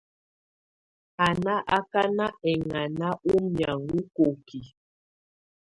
Á ná ákána ɛŋana ú miaŋɔ kokiǝ.